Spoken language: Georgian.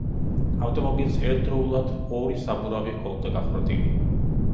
ავტომობილს ერთდროულად ორი საბურავი ჰქონდა გახვრეტილი.